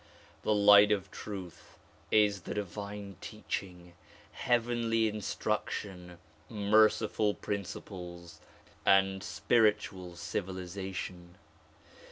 The light of truth is the divine teaching, heavenly instruction, merciful princi ples and spiritual civilization.